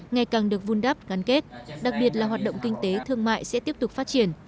ngày càng được vun đắp gắn kết đặc biệt là hoạt động kinh tế thương mại sẽ tiếp tục phát triển